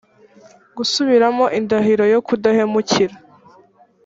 gusubiramo indahiro yo kudahemukira